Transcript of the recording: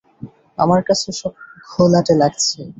আমার কাছে সব ঘোলাটে লাগছে।